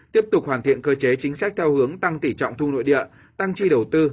tiếp tục hoàn thiện cơ chế chính sách theo hướng tăng tỉ trọng thu nội địa tăng tri đầu tư